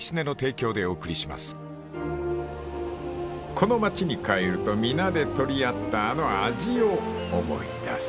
［この町に帰ると皆で取り合ったあの味を思い出す］